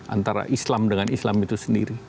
antara islam dengan islam itu sendiri